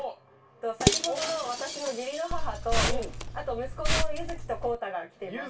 先ほどの私の義理の母とあと息子の悠月と康太が来てます。